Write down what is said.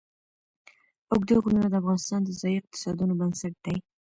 اوږده غرونه د افغانستان د ځایي اقتصادونو بنسټ دی.